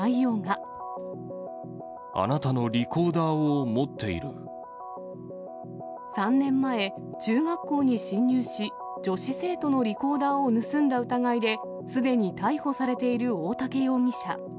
あなたのリコーダーを持って３年前、中学校に侵入し、女子生徒のリコーダーを盗んだ疑いですでに逮捕されている大竹容疑者。